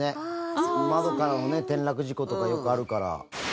窓からの転落事故とかよくあるから。